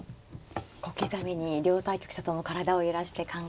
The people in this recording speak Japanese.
小刻みに両対局者とも体を揺らして考えています。